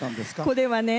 これはね